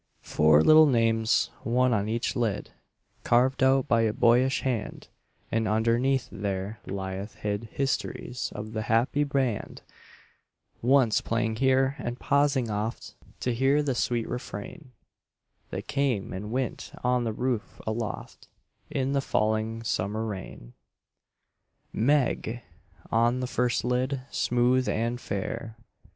Four little names, one on each lid, Carved out by a boyish hand, And underneath there lieth hid Histories of the happy band Once playing here, and pausing oft To hear the sweet refrain, That came and went on the roof aloft, In the falling summer rain. "Meg" on the first lid, smooth and fair.